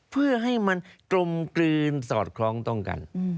เพื่อให้มันกลมกลืนสอดคล้องต้องกัน